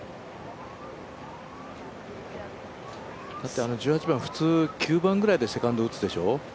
だってあの１８番普通９番とかでセカンド打つでしょ。